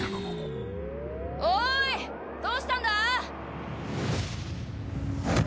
おーいどうしたんだ！？